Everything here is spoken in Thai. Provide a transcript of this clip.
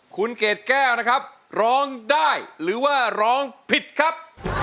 คุณเกดแก้วนะครับร้องได้หรือว่าร้องผิดครับ